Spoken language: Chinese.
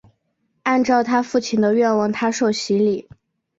按照她父亲的愿望她受洗礼。